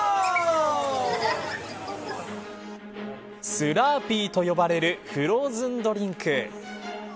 スラーピーと呼ばれるフローズンドリンク。